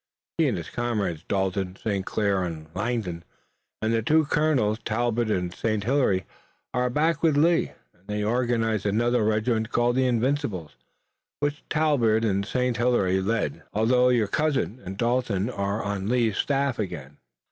He and his comrades, Dalton, St. Clair and Langdon, and the two Colonels, Talbot and St. Hilaire, are back with Lee, and they've organized another regiment called the Invincibles, which Talbot and St. Hilaire lead, although your cousin and Dalton are on Lee's staff again."